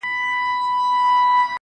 ستړى په گډا سومه ،چي، ستا سومه.